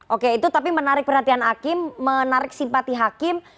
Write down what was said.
oke itu tapi menarik perhatian hakim menarik simpati hakim